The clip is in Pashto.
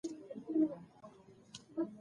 تنوع د افغانستان د جغرافیایي موقیعت پایله ده.